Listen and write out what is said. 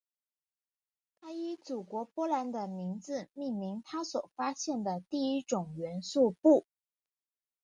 她以祖国波兰的名字命名她所发现的第一种元素钋。